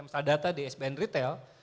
misalnya data di sbn retail